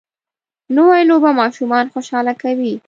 نوې لوبه ماشومان خوشحاله کوي